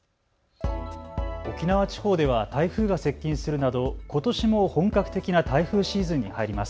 沖縄地方では台風が接近するなどことしも本格的な台風シーズンに入ります。